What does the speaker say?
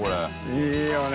いいよね。